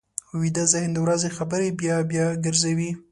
ویده ذهن د ورځې خبرې بیا بیا ګرځوي